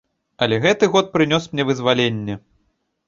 Але гэты год прынёс мне вызваленне.